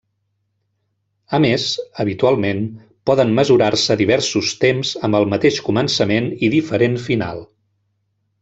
A més, habitualment, poden mesurar-se diversos temps amb el mateix començament i diferent final.